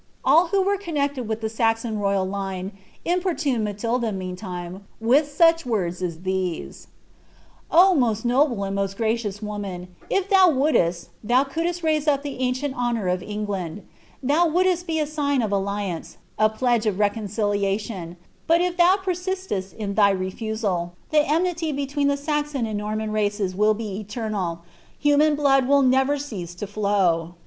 All who were connected with the Saxon royal line importuned Ma tflda, meantime, with such words as these :^ O most noble and most gracious of women, if thou wouldst, thou couldst raise up the ancient honour of England : thou wouldst be a sign of alliance, a pledge of reconciliation : but if thou persistest in thy refusal, the enmity between the Saxon and Norman races will be eternal ; human blood will nevei cease to flow."